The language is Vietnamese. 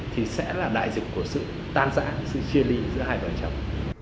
thì sẽ là đại dịch của sự tan dã sự chia ly giữa hai vợ chồng